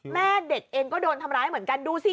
แม่เด็กเองก็โดนทำร้ายเหมือนกันดูสิ